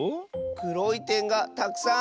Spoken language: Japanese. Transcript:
くろいてんがたくさんある！